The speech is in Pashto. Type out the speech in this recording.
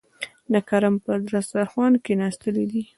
د کرم پر دسترخوان کېناستلي دي.